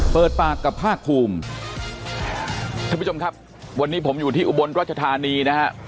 เปิดปากกับภาคภูมิท่านผู้ชมครับวันนี้ผมอยู่ที่อุบลรัชธานีนะฮะ